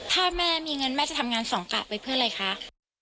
ถ้าแม่มีเงินแม่จะทำงานสองกะไปเพื่ออะไรคะ